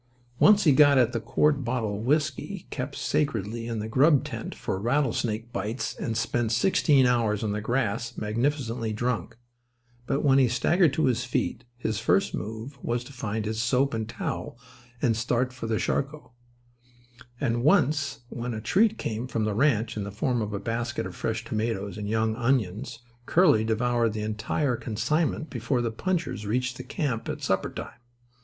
Once he got at the quart bottle of whisky kept sacredly in the grub tent for rattlesnake bites, and spent sixteen hours on the grass, magnificently drunk. But when he staggered to his feet his first move was to find his soap and towel and start for the charco. And once, when a treat came from the ranch in the form of a basket of fresh tomatoes and young onions, Curly devoured the entire consignment before the punchers reached the camp at supper time.